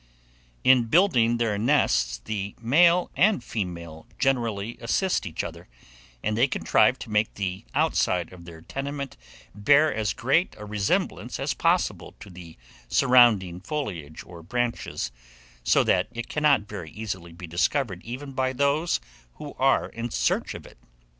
In building their nests, the male and female generally assist each other, and they contrive to make the outside of their tenement bear as great a resemblance as possible to the surrounding foliage or branches; so that it cannot very easily be discovered even by those who are in search of it.